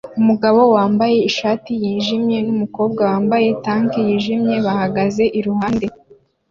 Umugabo wambaye ishati yijimye n'umukobwa wambaye tank yijimye bahagaze iruhande